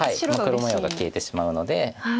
黒模様が消えてしまうので。